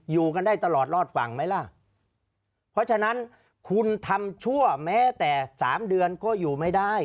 อยู่กันได้ตลอดรอดฝั่งไหมล่ะเพราะฉะนั้นคุณทำชั่วแม้แต่สามเดือนก็อยู่ไม่ได้